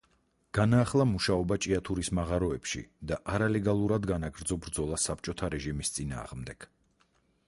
განაახლა მუშაობა ჭიათურის მაღაროებში და არალეგალურად განაგრძო ბრძოლა საბჭოთა რეჟიმის წინააღმდეგ.